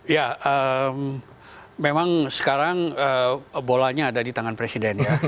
ya memang sekarang bolanya ada di tangan presiden ya